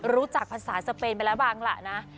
รู้จักภาษาสเปนไปแล้วบ้างล่ะนะ